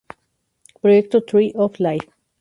Proyecto Tree of Life